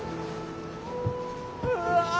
うわ！